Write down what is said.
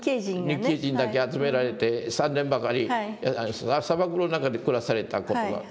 日系人だけ集められて３年ばかり砂漠の中で暮らされた事があって。